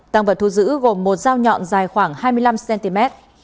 tăng vật thu giữ gồm một dao nhọn dài khoảng hai mươi năm cm